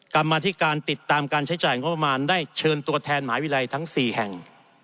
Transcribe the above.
กรรมธิการติดตามการใช้จ่ายงบประมาณได้เชิญตัวแทนมหาวิทยาลัยทั้ง๔แห่ง